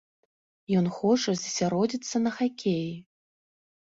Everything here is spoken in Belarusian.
Ён хоча засяродзіцца на хакеі.